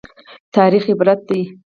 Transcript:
تاریخ عبرت دی